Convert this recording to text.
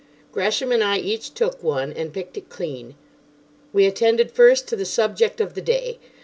Gresham and I each took one, and picked it clean. We attended first to the Subject of the Day.